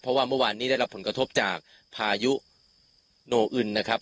เพราะว่าเมื่อวานนี้ได้รับผลกระทบจากพายุโนอึนนะครับ